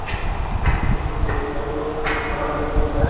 বাশারের অনুগত সেনাদের কাছ থেকে সেগুলো নিজেদের কব্জায় নিয়েছে আইএস যোদ্ধারা।